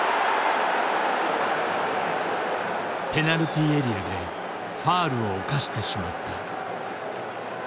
ペナルティーエリアでファウルを犯してしまった。